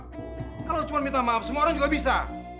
jika kamu hanya meminta maaf semua orang juga bisa